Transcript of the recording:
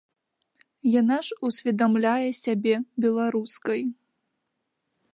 Яна ж усведамляе сябе беларускай.